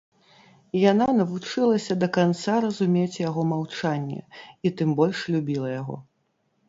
Яна навучылася да канца разумець яго маўчанне і тым больш любіла яго.